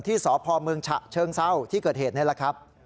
ที่สพเมืองฉะเชิงเศร้าที่เกิดเหตุนี่แหละครับ